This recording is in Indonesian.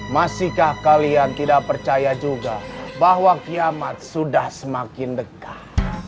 masihkah kalian tidak percaya juga bahwa kiamat sudah semakin dekat